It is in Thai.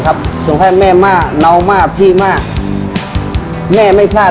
หลายน่ายส่งพี่บ้ามั้วแน่นตัว